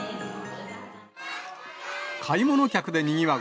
買い物客でにぎわう